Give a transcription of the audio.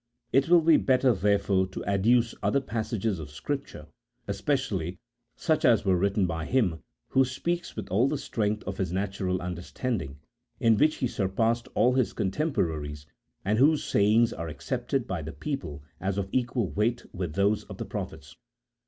It will be better, therefore, to adduce other passages of Scripture, especially such as were written by him, who speaks with all the strength of his natural understanding, in which he surpassed all his con temporaries, and whose sayings are accepted by the people as of equal weight with those of the prophets.